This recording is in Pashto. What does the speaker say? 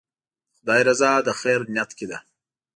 د خدای رضا د خیر نیت کې ده.